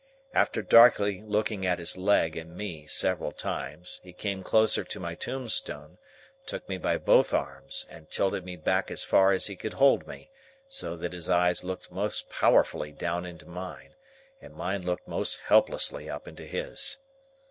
After darkly looking at his leg and me several times, he came closer to my tombstone, took me by both arms, and tilted me back as far as he could hold me; so that his eyes looked most powerfully down into mine, and mine looked most helplessly up into his.